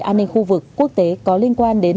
an ninh khu vực quốc tế có liên quan đến